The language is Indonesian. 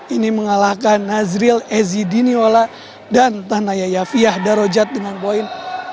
ini mengalahkan nazril ezi diniola dan tanaya yafiah darojat dengan poin dua satu ratus lima belas dua satu ratus lima belas